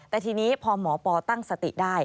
แต่ทีนี้พอหมอปอตั้งสติได้